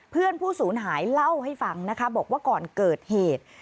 เพื่อนผู้ศูนย์หายเล่าให้ฟังนะคะบอกว่าก่อนเกิดเหตุ